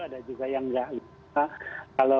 ada juga yang nggak setuju